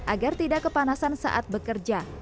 agar tidak kepanasan saat bekerja